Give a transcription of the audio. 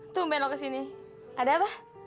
tumben lo kesini ada apa